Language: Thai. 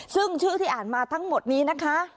ซึ่งชื่อที่อ่านมาทั้งหมดนี้นะคะ